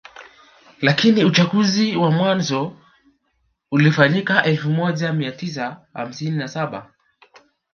Lakini uchaguzi wa mwanzo ulifanyika elfu moja mia tisa hamsini na saba